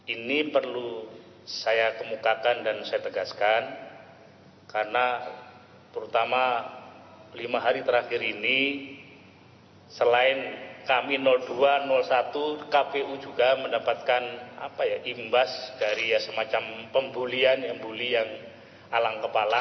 ini perlu saya kemukakan dan saya tegaskan karena terutama lima hari terakhir ini selain kami dua satu kpu juga mendapatkan imbas dari semacam pembulian yang bully yang alang kepala